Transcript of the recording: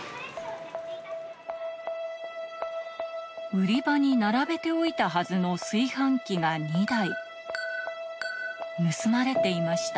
売り場に並べておいたはずの炊飯器が２台盗まれていました